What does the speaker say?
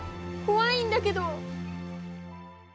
こわいんだけど！